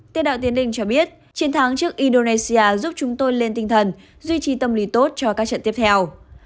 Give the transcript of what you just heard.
tên đạo tiến đình cho biết chiến thắng trước indonesia giúp chúng tôi lên tinh thần duy trì tâm lý tốt cho các trận tiếp theo